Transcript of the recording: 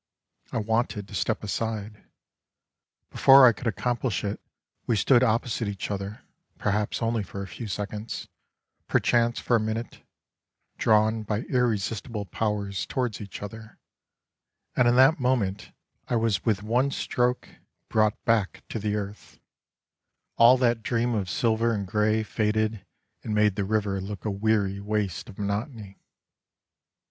I wanted to step aside ; before I could accomplish it, we stood opposite each other, perhaps only for a few seconds, perchance for a minute, drawn by irresistable powers towards each other, and in that moment I w T as with one stroke brought back to 5 the earth ; all that dream of silver and grey faded and made the river look a weary waste of monotony.